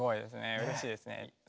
うれしいですね。